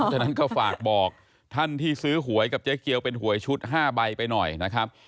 ฉะนั้นก็ฝากบอกท่านที่ซื้อหวยกับเจ๊เกียวเป็นหวยชุด๕ใบไปหน่อยนะครับ